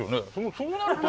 そうなると。